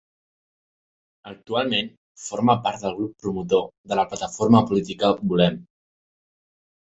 Actualment forma part del grup promotor de la plataforma política Volem.